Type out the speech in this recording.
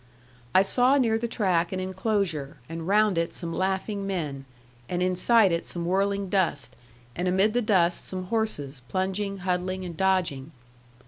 I saw near the track an enclosure, and round it some laughing men, and inside it some whirling dust, and amid the dust some horses, plunging, huddling, and dodging.